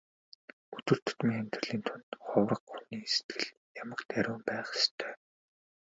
Өдөр тутмын амьдралын дунд хувраг хүний сэтгэл ямагт ариун байх ёстой.